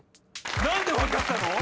何で分かったの？